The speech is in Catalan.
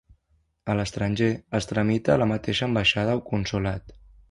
A l'estranger, es tramita a la mateixa ambaixada o consolat.